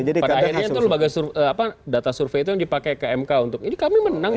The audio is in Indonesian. pada akhirnya itu data survei itu yang dipakai kmk untuk ini kami menang